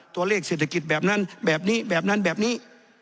ตัวเลขเศรษฐกิจแบบนั้นแบบนี้แบบนั้นแบบนี้